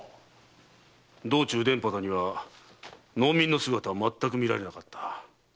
道中田畑には農民の姿はまったく見られなかった。